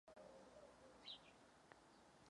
Rozvíjí se nad hladinou.